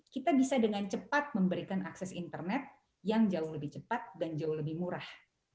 kita bisa dengan cepat memberikan akses internet yang jauh lebih cepat dan jauh lebih murah